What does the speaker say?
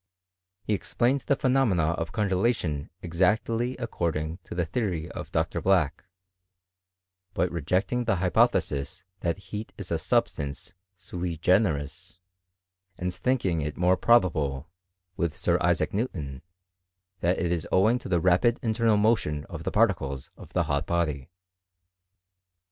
He ex plained the phenomena of congelation exactly accord^^ ing to the theory of Dr. Black, but rejecting the hypothesis, that heat is a substance iui .generis^ aii4 CH£MIfiTBT IK GREAT BRITAIN. 347 thmkiag it more probable, with Sir Isaac Newton, that k is owing to the rapid internal motion of the particles •of the hot body.